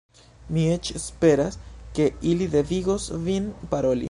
Mi eĉ esperas, ke ili devigos vin paroli.